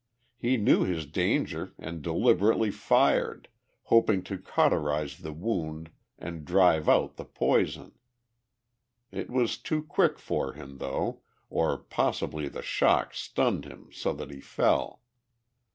He knew his danger and deliberately fired, hoping to cauterize the wound and drive out the poison. It was too quick for him, though, or possibly the shock stunned him so that he fell.